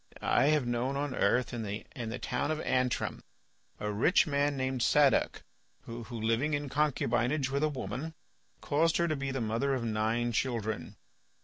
I have known on earth, in the town of Antrim, a rich man named Sadoc, who, living in concubinage with a woman, caused her to be the mother of nine children.